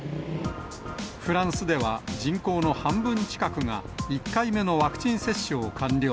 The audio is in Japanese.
フランスでは、人口の半分近くが１回目のワクチン接種を完了。